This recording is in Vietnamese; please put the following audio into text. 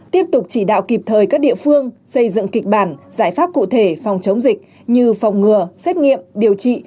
tiếp tục chỉ đạo kịp thời các địa phương xây dựng kịch bản giải pháp cụ thể phòng chống dịch như phòng ngừa xét nghiệm điều trị